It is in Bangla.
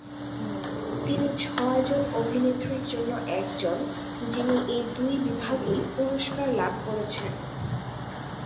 তিনি ছয়জন অভিনেত্রীর জন্য একজন, যিনি এই দুই বিভাগেই পুরস্কার লাভ করেছেন।